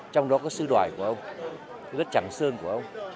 trong đó có sư đoại của ông sư đoại trắng sơn của ông